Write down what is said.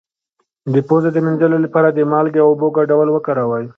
د پوزې د مینځلو لپاره د مالګې او اوبو ګډول وکاروئ